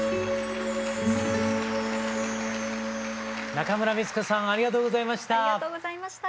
中村美律子さんありがとうございました。